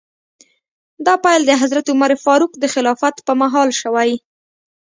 دا پیل د حضرت عمر فاروق د خلافت په مهال شوی.